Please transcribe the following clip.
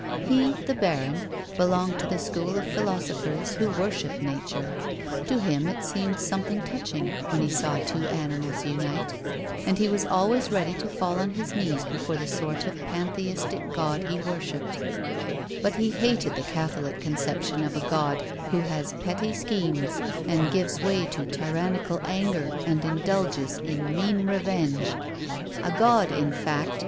He, the baron, belonged to the school of philosophers who worship nature ; to him it seemed some thing touching, when he saw two animals unite, and he was always ready to fall on his knees before the sort of pantheistic God he worshipped ; but he hated the catholic conception of a God, Who has petty schemes, and gives way to tryannical anger and indulges in mean revenge ; a God, in fact.